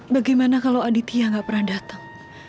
bagaimana kalau aditya gak pernah datang